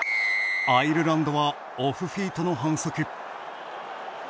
アイルランドはオフフィートの反則。